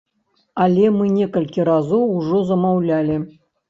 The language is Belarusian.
Але мы некалькі разоў ужо замаўлялі.